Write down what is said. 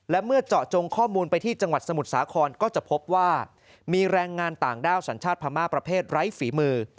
และเมื่อเจาะจงข้อมูลไปที่จังหวัดสมุทรสาครก็จะพบว่ามีแรงงานต่างด้าวสัญชาติพม่าประเภทไร้ฝีมือ